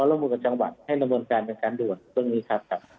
ยังทำวันการเป็นการด่วนตรงนี้ครับครับ